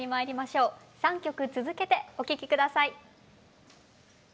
３曲続けてお聴き下さい。